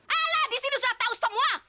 ala di sini sudah tahu semua